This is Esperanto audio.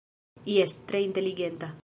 Jes, tre inteligenta!